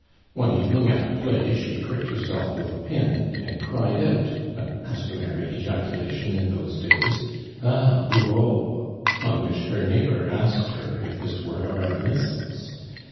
One evening at the play she pricked herself with a pin, and cried out a customary ejaculation in those days 'Ah! Bourreau!' on which her neighbor asked her if this were a reminiscence?